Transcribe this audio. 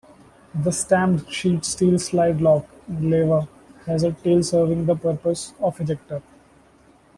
The stamped sheet steel slide-lock lever has a tail serving the purpose of ejector.